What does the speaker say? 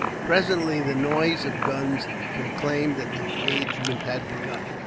Presently the noise of guns proclaimed that the engagement had begun.